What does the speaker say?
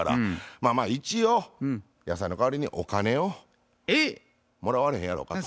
まあまあ一応野菜の代わりにお金をもらわれへんやろうかと。